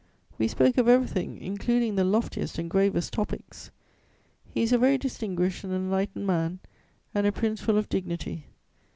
We spoke of everything, including the loftiest and gravest topics. He is a very distinguished and enlightened man and a Prince full of dignity.